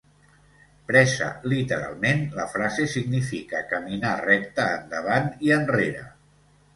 Presa literalment, la frase significa caminar recte endavant i enrere.